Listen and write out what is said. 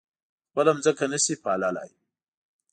خپله ځمکه نه شي پاللی.